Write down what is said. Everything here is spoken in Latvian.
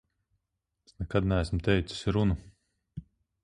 Es nekad neesmu teicis runu.